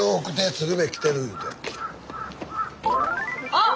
あっ！